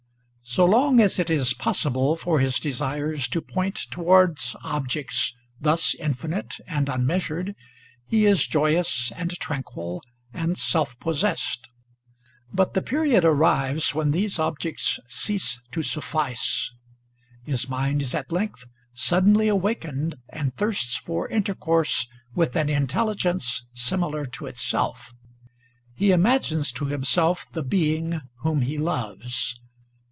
So long ALASTOR 33 as it is possible for his desires to point towards objects thus infinite and unmeasured, he is joyous and tranquil and self possessed. But the period arrives when these objects cease to suffice. His mind is at length suddenly awakened and thirsts for intercourse with an intellig'ence similar to itself. He imag es to himself the Being whom he loves.